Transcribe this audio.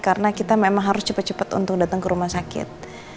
karena kita memang harus cepat cepat untuk datang ke rumah sakit